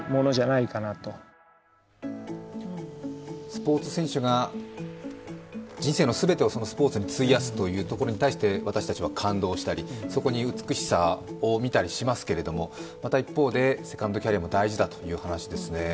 スポーツ選手が人生の全てをスポーツに費やすというところに対して私たちは感動したり、そこに美しさを見たりしますけども、また一方でセカンドキャリアも大事だという話ですね。